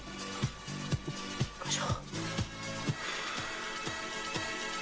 よいしょ！